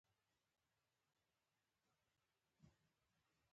د ماښام په تياره کې له پلان سره سم.